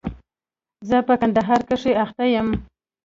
زه په کندهار کښي اخته يم.